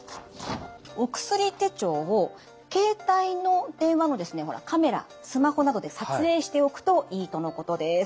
お薬手帳を携帯の電話のカメラスマホなどで撮影しておくといいとのことです。